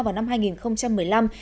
nó xảy ra vào năm hai nghìn một mươi năm